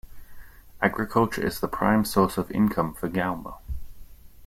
Agriculture is the prime source of income for Galma.